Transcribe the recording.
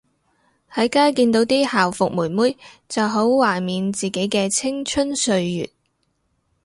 喺街見到啲校服妹妹就好懷緬自己嘅青春歲月